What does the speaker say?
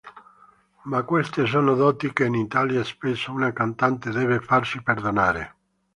Ma queste sono doti che in Italia spesso una cantante deve farsi perdonare.